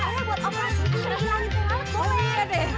ya buat operasi boleh